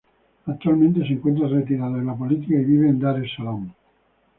Actualmente se encuentra retirado de la política y vive en Dar es Salaam.